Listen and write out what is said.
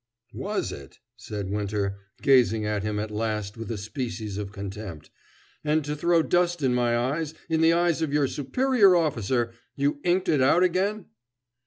"Was it?" said Winter, gazing at him at last with a species of contempt. "And to throw dust in my eyes in the eyes of your superior officer you inked it out again?"